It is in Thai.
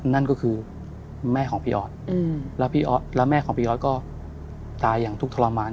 นั่นก็คือแม่ของพี่อ๋อก็ตายอย่างทุกทรมาน